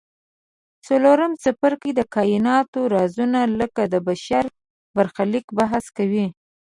څلورم څپرکی د کایناتو رازونه لکه د بشر برخلیک بحث کوي.